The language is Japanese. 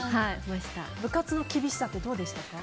部活の厳しさってどうでしたか？